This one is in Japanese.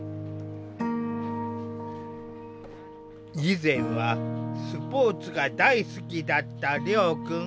以前はスポーツが大好きだった遼くん。